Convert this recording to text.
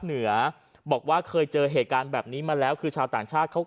เหนือบอกว่าเคยเจอเหตุการณ์แบบนี้มาแล้วคือชาวต่างชาติเขา